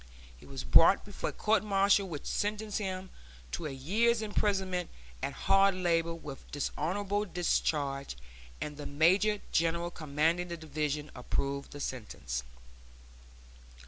He was brought before a court martial which sentenced him to a year's imprisonment at hard labor with dishonorable discharge, and the major general commanding the division approved the sentence.